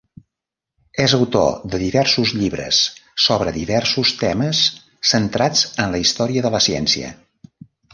És autor de diversos llibres sobre diversos temes centrats en la història de la ciència.